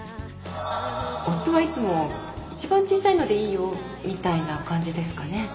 夫はいつも「一番小さいのでいいよ」みたいな感じですかね。